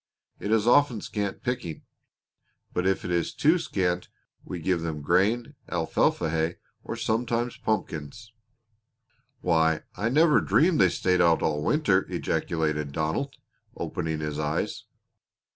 It is often scant picking, but if it is too scant we give them grain, alfalfa hay, or sometimes pumpkins." "Why, I never dreamed they stayed out all winter!" ejaculated Donald, opening his eyes.